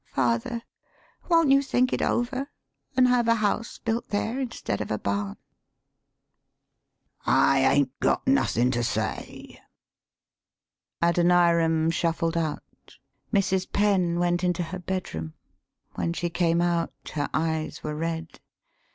" Father, won't you think it over, an' have a house built there instead of a barn?" 165 THE SPEAKING VOICE "I 'ain't got nothin' to say." Adoniram shuffled out. Mrs. Penn went into her bedroom. When she came out her eyes were red.